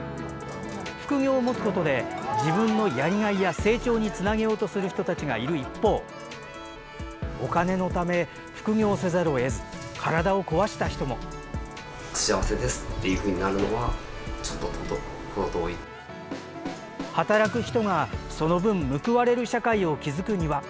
副業を持つことで自分のやりがいや成長につなげようとする人たちがいる一方お金のため副業せざるを得ず働く人がその分、報われる社会を築くには。